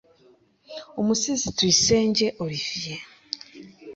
UMUSIZI TUYISENGE OLIVIER